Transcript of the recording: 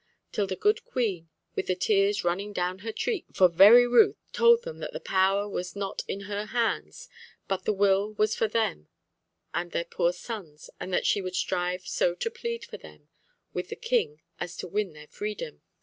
till the good Queen, with the tears running down her cheeks for very ruth, told them that the power was not in her hands, but the will was for them and their poor sons, and that she would strive so to plead for them with the King as to win their freedom.